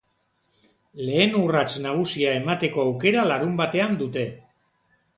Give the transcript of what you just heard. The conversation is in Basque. Lehen urrats nagusia emateko aukera larunbatean dute.